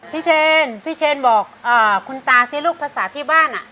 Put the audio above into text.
เชนพี่เชนบอกคุณตาซิลูกภาษาที่บ้าน